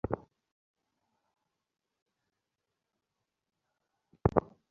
একচক্ষু হরিণ যে দিকে কানা ছিল সেই দিক থেকেই তো তীর খেয়েছিল।